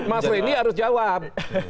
mas rendy harus jawab